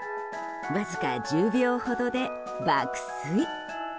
わずか１０秒ほどで爆睡。